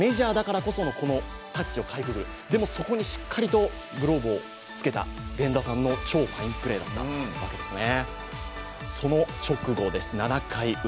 このタッチをかいくぐる、でもそこにしっかりとグローブをつけた源田さんの超ファインプレーだったわけですね。